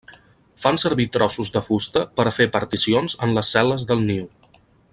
Fan servir trossos de fusta per a fer particions en les cel·les del niu.